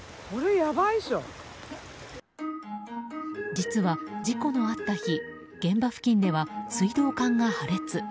実は事故のあった日現場付近では水道管が破裂。